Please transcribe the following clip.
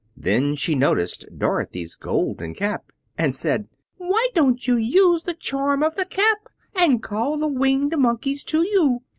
Then she noticed Dorothy's Golden Cap, and said, "Why don't you use the charm of the Cap, and call the Winged Monkeys to you?